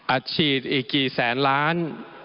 ฉีดอีกกี่แสนล้าน